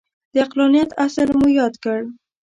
د عقلانیت اصل مو یاد کړ.